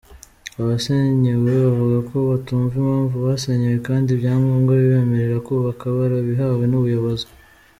Abasenyewe bavuga ko batumva impamvu basenyewe kandi ibyangombwa bibemerera kubaka barabihawe n’ubuyobozi.